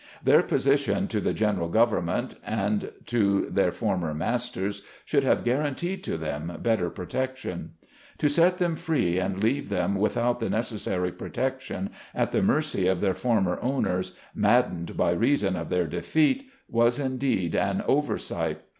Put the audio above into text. Their position to the general government, and to their former masters, should have guaranteed to them better protection. To set them free, and leave them without the necessary protection, at the mercy of their former owners, maddened by reason of their defeat, was indeed an oversight.